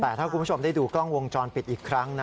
แต่ถ้าคุณผู้ชมได้ดูกล้องวงจรปิดอีกครั้งนะ